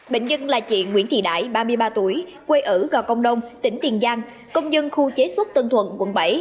bệnh nhân là chị nguyễn thị đại ba mươi ba tuổi quê ở gò công đông tỉnh tiền giang công nhân khu chế xuất tân thuận quận bảy